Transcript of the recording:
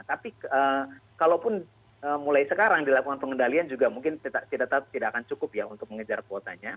tapi kalaupun mulai sekarang dilakukan pengendalian juga mungkin tidak akan cukup ya untuk mengejar kuotanya